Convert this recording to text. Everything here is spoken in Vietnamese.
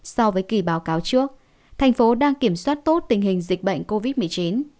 so với kỳ báo cáo trước thành phố đang kiểm soát tốt tình hình dịch bệnh covid một mươi chín